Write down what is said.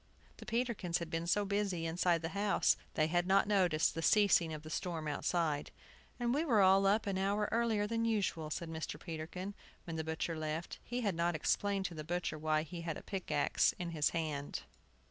The Peterkins had been so busy inside the house they had not noticed the ceasing of the storm outside. "And we were all up an hour earlier than usual," said Mr. Peterkin, when the butcher left. He had not explained to the butcher why he had a pickaxe in his hand.